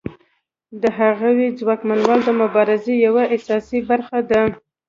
د هغوی ځواکمنول د مبارزې یوه اساسي برخه ده.